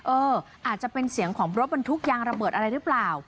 อาจจะเป็นเสียงของรถบรรทุกยางระเบิดอะไรหรือเปล่า